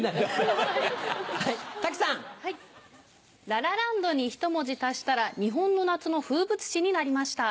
『ラ・ラ・ランド』にひと文字足したら日本の夏の風物詩になりました。